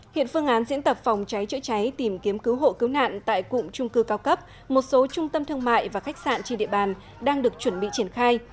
hiện phương án diễn tập phòng cháy chữa cháy tìm kiếm cứu hộ cứu nạn tại cụm trung cư cao cấp một số trung tâm thương mại và khách sạn trên địa bàn đang được chuẩn bị triển khai